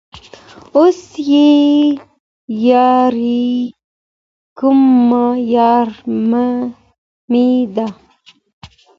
اوس يې ياري كومه ياره مـي ده